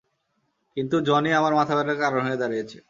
কিন্ত জনি আমার মাথাব্যাথার কারণ হয়ে দাঁড়িয়েছে।